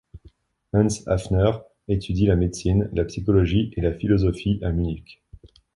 Heinz Häfner étudie la médecine, la psychologie et la philosophie à Munich.